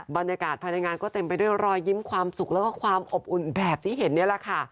บรรยากาศภายในงานก็เต็มไปด้วยรอยยิ้มความสุขแล้วก็ความอบอุ่นแบบที่เห็นนี่แหละค่ะ